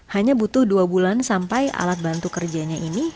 hanya butuh dua bulan sampai alat bantu kerjanya ini